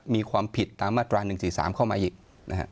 มีความผิดตามมาตรา๑๔๓เข้ามาอีกนะฮะ